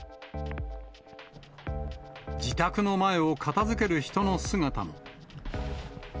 自宅の前を片づける人の姿も。